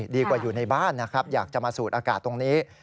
อยู่ในบ้านนะครับอยากจะมาสูดอากาศตรงนี้